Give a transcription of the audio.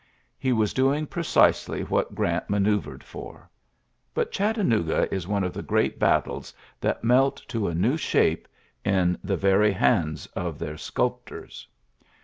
He was doing precisely what Grant manoeuvred for. But Chattanooga is one of the great battles that melt to a new shape in the very hands of their sculptors.